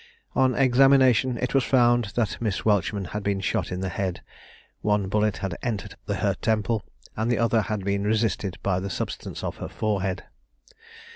On examination, it was found that Miss Welchman had been shot in the head; one bullet had entered her temple, and the other had been resisted by the substance of the forehead.